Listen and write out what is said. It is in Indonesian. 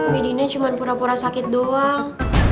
bedanya cuma pura pura sakit doang